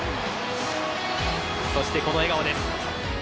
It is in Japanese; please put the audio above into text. そしてこの笑顔です。